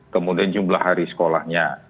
kemudian jumlah hari sekolahnya